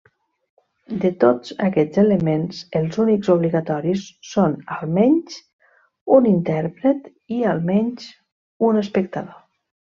De tots aquests elements, els únics obligatoris són almenys un intèrpret i almenys un espectador.